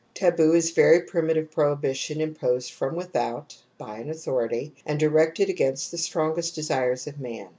^(( Taboo is a very primitive prohibition imposed"? ^UW*U6Cl< :4^ from without (by an authority) and directed ' against the strongest desires of man.